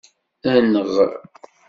Enɣ.